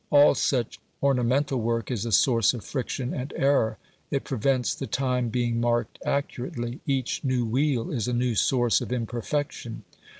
All such ornamental work is a source of friction and error; it prevents the time being marked accurately; each new wheel is a new source of imperfection.